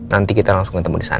nanti kita langsung ketemu di sana